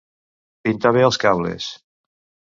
Pintar bé els cables.